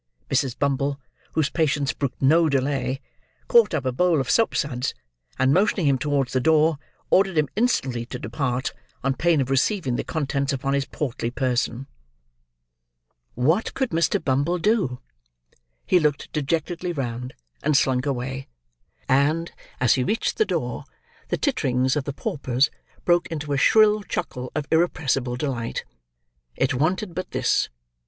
Mrs. Bumble, whose patience brooked no delay, caught up a bowl of soap suds, and motioning him towards the door, ordered him instantly to depart, on pain of receiving the contents upon his portly person. What could Mr. Bumble do? He looked dejectedly round, and slunk away; and, as he reached the door, the titterings of the paupers broke into a shrill chuckle of irrepressible delight. It wanted but this.